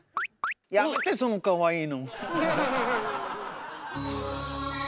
やめてそのかわいいの。